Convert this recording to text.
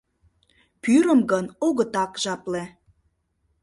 Пӱрым гын огытак жапле.